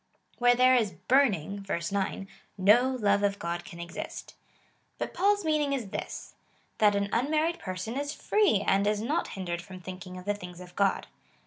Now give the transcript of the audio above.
Where there is burning, (verse 9,) no love of God can exist. But Paul's meaning is this — that an unmarried person is free, and is not hindered from thinking of the things of God.